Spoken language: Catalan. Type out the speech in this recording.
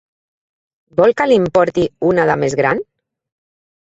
Vol que li'n porti una de més gran?